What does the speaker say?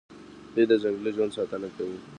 دوی د ځنګلي ژوند ساتنه کوي.